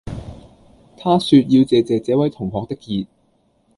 他說要謝謝這位同學的熱